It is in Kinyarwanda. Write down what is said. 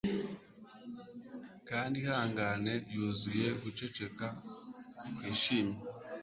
Kandi ihangane yuzuye guceceka kwishimye